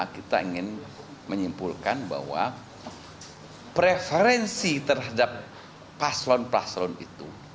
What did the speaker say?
kita ingin menyimpulkan bahwa preferensi terhadap paslon paslon itu